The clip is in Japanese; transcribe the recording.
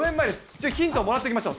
じゃあ、ヒントをもらっときましょう。